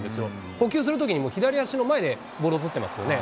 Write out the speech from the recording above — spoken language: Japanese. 捕球するときに左足の前でボールを捕ってますよね。